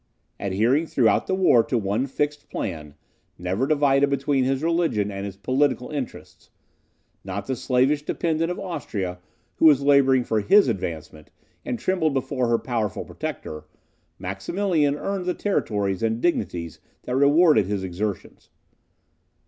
Adhering throughout the war to one fixed plan, never divided between his religion and his political interests; not the slavish dependent of Austria, who was labouring for HIS advancement, and trembled before her powerful protector, Maximilian earned the territories and dignities that rewarded his exertions.